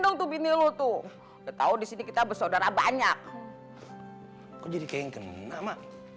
dong tuh bini lu tuh udah tahu di sini kita bersaudara banyak jadi kayak kenapa